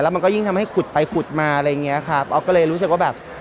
มันก็ยิ่งทำให้ขุดไปขุดมาอะไรอย่างเงี้ยครับออฟก็เลยรู้สึกว่าแบบ